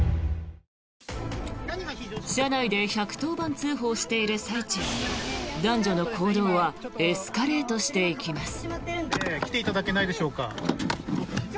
車内で１１０番通報している最中男女の行動はエスカレートしていきます。